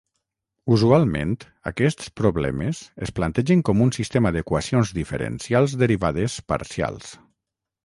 Usualment aquests problemes es plantegen com un sistema d'equacions diferencials derivades parcials.